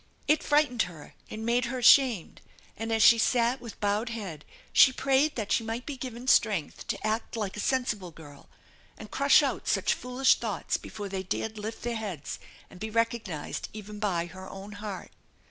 It frightened her and made her ashamed, and as she sat with bowed head she prayed that she might be given strength to act like a sensible girl, and crush out such foolish thoughts before they dared lift their heads and be recognized even by her own heart.